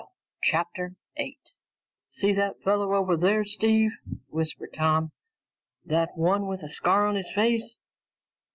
CHAPTER 8 "See that fellow over there, Steve?" whispered Tom. "The one with the scar on his face?"